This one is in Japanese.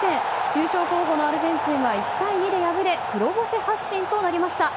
優勝候補のアルゼンチンは１対２で敗れ黒星発進となりました。